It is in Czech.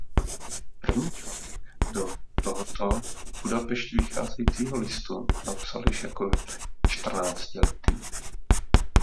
První článek do tohoto v Budapešti vycházejícího listu napsal již jako čtrnáctiletý.